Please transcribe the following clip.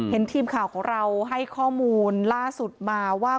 เห็นทีมข่าวของเราให้ข้อมูลล่าสุดมาว่า